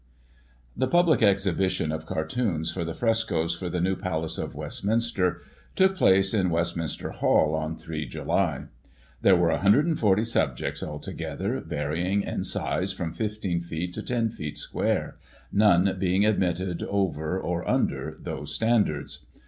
The public exhibition of Cartoons for the frescoes for the new PcJace of Westminster, took place in Westminster Hall, on 3 July. There were 140 subjects altogether, varying in size from 15ft to I oft. square, none being admitted over, or under those standards.